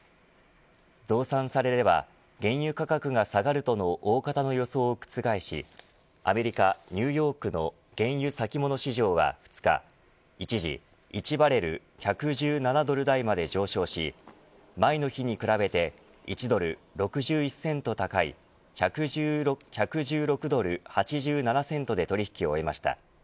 増産されれば、原油価格が下がるとの大方の予想を覆しアメリカ、ニューヨークの原油先物市場は２日一時１バレル１１７ドル台まで上昇し前の日に比べて１ドル６１セント高い１１６ドル８７セントで取引を終えました。